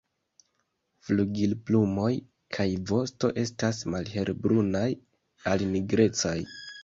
Flugilplumoj kaj vosto estas malhelbrunaj al nigrecaj.